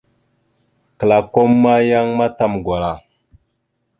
Klakom ma yan matam gwala.